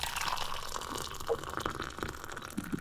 阔柄杜鹃为杜鹃花科杜鹃属下的一个种。